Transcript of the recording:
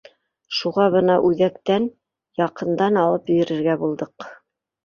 Шуға бына үҙәктән, яҡындан, алып бирергә булдыҡ